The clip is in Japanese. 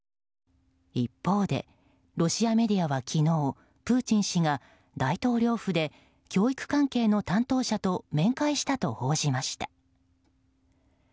一方でロシアメディアは昨日プーチン氏が大統領府で教育関係の担当者と面会したと報じました。